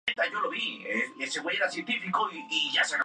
Westinghouse rechazó la oferta.